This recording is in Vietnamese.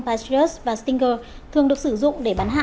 patriot và stinger thường được sử dụng để bắn hạ